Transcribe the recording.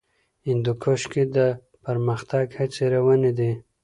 هندوکش کې د پرمختګ هڅې روانې دي.